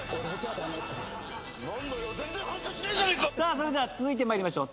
それでは続いて参りましょう。